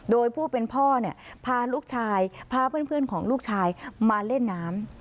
โดยผู้เป็นพ่อพาลูกชายพาเพื่อนของลูกชายมาเล่นน้ำ